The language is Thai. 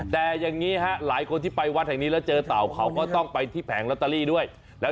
แต่อย่างนี้ฮะหลายคนที่ไปวัดแห่งนี้แล้วเจอเต่าเขาก็ต้องไปที่แผงลอตเตอรี่ด้วยแล้ว